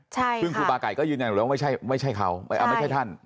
คือครูบาไก่ก็ยืนยันว่าไม่ใช่เขาไม่ใช่ท่าน